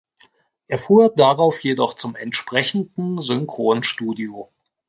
Er fuhr darauf jedoch zum entsprechenden Synchronstudio.